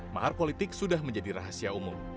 mahar politik sudah menjadi rahasia umum